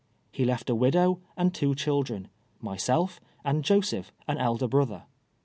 He left a widow and two children — myself, and Joseph, an elder brother.